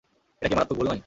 এটা কি মারাত্মক ভুল নয়?